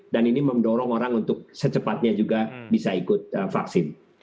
dan ini mendorong orang untuk secepatnya juga bisa ikut vaksin